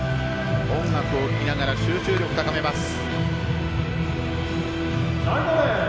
音楽を聴きながら集中力を高めます。